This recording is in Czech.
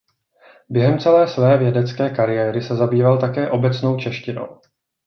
Během celé své vědecké kariéry se zabýval také obecnou češtinou.